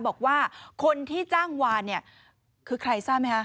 บอกว่าคนที่จ้างวานเนี่ยคือใครทราบไหมคะ